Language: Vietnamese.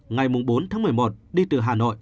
ngày bốn tháng một mươi một đi từ hà nội